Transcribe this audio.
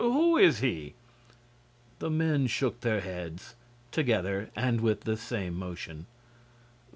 Who is he?" The men shook their heads, together and with the same motion.